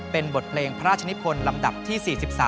เป็นบทเพลงพระราชนิพลลำดับที่๔๓